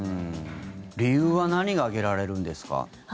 理由は何が挙げられるんですか？